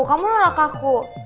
kamu nolak aku